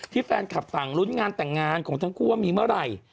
แฟนคลับต่างลุ้นงานแต่งงานของทั้งคู่ว่ามีเมื่อไหร่